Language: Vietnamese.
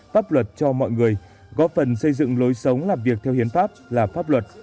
pháp luật cho mọi người góp phần xây dựng lối sống làm việc theo hiến pháp là pháp luật